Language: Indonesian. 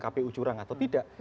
kpu jurang atau tidak